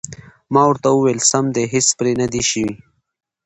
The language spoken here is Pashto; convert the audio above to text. ما ورته وویل: سم دي، هېڅ پرې نه دي شوي.